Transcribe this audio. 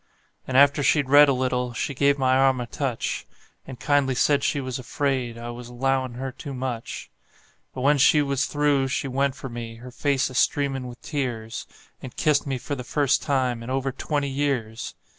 And after she'd read a little she give my arm a touch, And kindly said she was afraid I was 'lowin' her too much; But when she was through she went for me, her face a streamin' with tears, And kissed me for the first time in over twenty years!